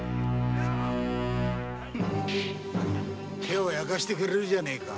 手を焼かせてくれるじゃねえか。